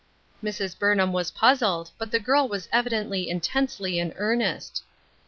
Mrs. Burnham was puzzled, but the girl was evidently intensely in earnest.